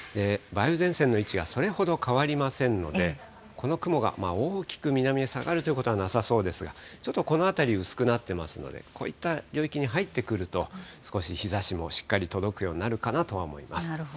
梅雨前線の位置がそれほど変わりませんので、この雲が大きく南へ下がるということはなさそうですが、ちょっとこの辺り、薄くなっていますので、こういった領域に入ってくると、少し日ざしもしっかり届くようになるかなとは思います。